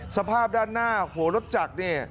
สภาพด้านหน้าหัวรถจักร